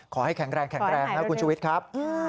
ขอให้แข็งแรงขอให้ให้ไหวครับ